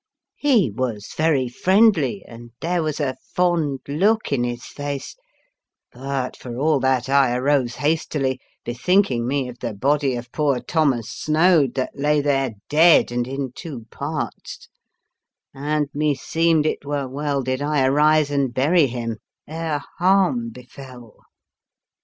He was very friendly and there was a fond look in his face; but, for all that, I arose hastily, bethinking me of the body of poor Thomas Snoad that lay there dead and in two parts, and meseemed it were well did I arise and bury him ere harm befell.